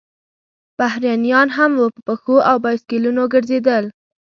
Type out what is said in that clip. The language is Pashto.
بهرنیان هم وو، په پښو او بایسکلونو ګرځېدل.